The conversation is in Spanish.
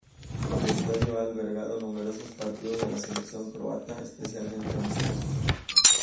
El estadio ha albergado numerosos partidos de la selección croata, especialmente amistosos.